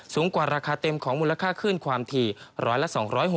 สูงกว่าราคาเต็มของมูลค่าคลื่นความถี่๑๐๐และ๒๖๐